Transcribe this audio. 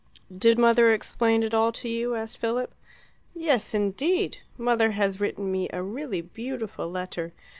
"Did mother explain it all to you?" asked Philip. "Yes, indeed! Mother has written me a really beautiful letter.